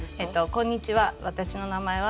こんにちは？